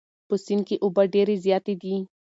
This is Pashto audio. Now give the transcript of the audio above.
په سیند کې اوبه ډېرې زیاتې دي.